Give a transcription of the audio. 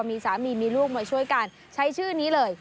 มีสามีมีลูกมาช่วยกันใช้ชื่อนี้เลย